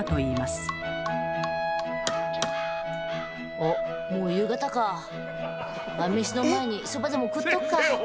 おっもう夕方か晩飯の前にそばでも食っとくか！